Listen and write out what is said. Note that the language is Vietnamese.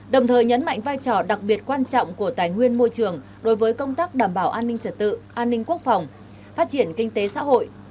đồng thời nhấn mạnh vai trò đặc biệt quan trọng của tài nguyên môi trường đối với công tác đảm bảo an ninh trật tự an ninh quốc phòng phát triển kinh tế xã hội